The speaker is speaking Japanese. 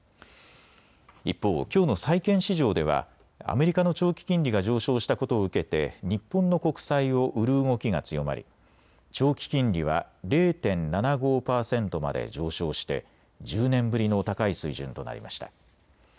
一方、きょうの債券市場ではアメリカの長期金利が上昇したことを受けて日本の国債を売る動きが強まり長期金利は０．７５％まで上昇して１０年ぶりの高い水準となりました。